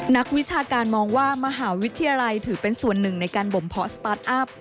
นักวิชาการมองว่ามหาวิทยาลัยถือเป็นส่วนหนึ่งในการบ่มเพาะสตาร์ทอัพ